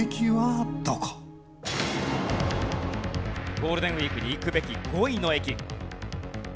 ゴールデンウィークに行くべき５位の駅。